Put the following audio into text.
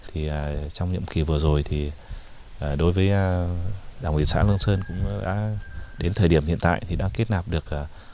trong nhiệm kỳ vừa rồi thì đối với đảng ủy xã lương sơn cũng đã đến thời điểm hiện tại thì đã kết nạp được